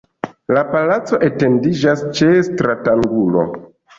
La palaco etendiĝas ĉe stratangulo.